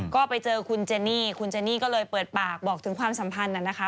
ก็ไปเจอคุณเจนี่คุณเจนี่ก็เลยเปิดปากบอกถึงความสัมพันธ์นะคะ